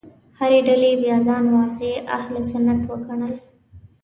هرې ډلې بیا ځان واقعي اهل سنت وګڼل.